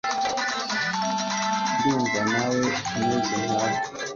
ndumva na we ameze nka bo